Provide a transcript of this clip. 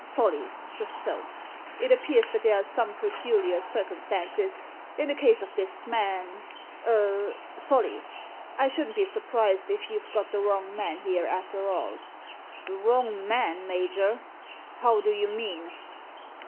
Solly! — just so! It appears that there are some peculiar circumstances in the case of this man — eh ?— Solly, I shouldn't be surprised if you've got the wrong man here after all." " The wrong man, major ! How do you mean